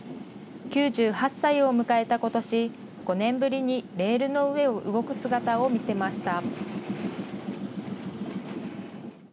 ９８歳を迎えたことし、５年ぶりにレールの上を動く姿を見せました。